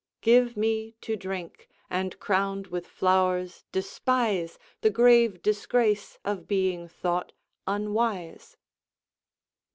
"Give me to drink, and, crown'd with flowers, despise The grave disgrace of being thought unwise."